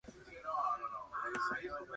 Es el primer jefe, otra vez.